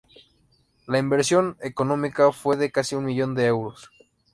La inversión económica fue de casi un millón de euros.